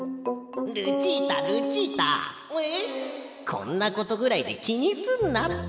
こんなことぐらいできにすんなって。